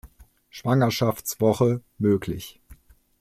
Schwangerschaftswoche möglich.